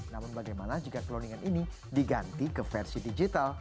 namun bagaimana jika cloningan ini diganti ke versi digital